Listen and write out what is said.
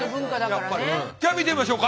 じゃあ見てみましょうか。